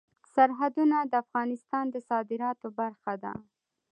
سرحدونه د افغانستان د صادراتو برخه ده.